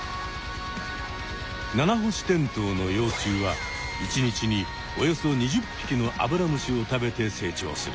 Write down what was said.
ナナホシテントウの幼虫は１日におよそ２０ぴきのアブラムシを食べて成長する。